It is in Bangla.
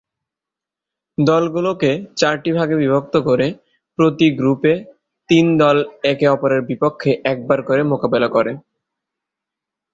দলগুলোকে চারটি ভাগে বিভক্ত করে প্রতি গ্রুপে তিন দল একে-অপরের বিপক্ষে একবার করে মোকাবেলা করে।